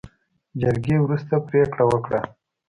جرګې وروستۍ پرېکړه وکړه.